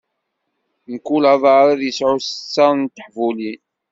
Mkul adar ad isɛu setta n teḥbulin.